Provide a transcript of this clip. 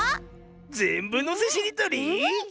「ぜんぶのせしりとり」？